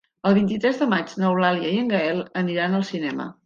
El vint-i-tres de maig n'Eulàlia i en Gaël aniran al cinema.